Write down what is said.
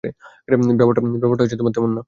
ব্যাপারটা তেমন না।